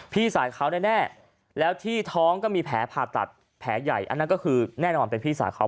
พี่สาวเขาแน่แล้วที่ท้องก็มีแผลผ่าตัดแผลใหญ่อันนั้นก็คือแน่นอนเป็นพี่สาวเขา